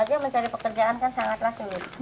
aja mencari pekerjaan kan sangatlah sulit